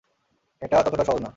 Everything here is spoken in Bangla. এটা ততটাও সহজ না।